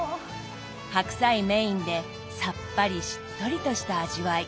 白菜メインでさっぱりしっとりとした味わい。